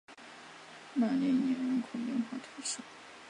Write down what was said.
马里尼人口变化图示